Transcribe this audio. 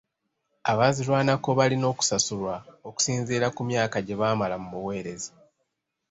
Abaazirwanako balina okusasulwa okusinziira ku myaka gye baamala mu buweereza.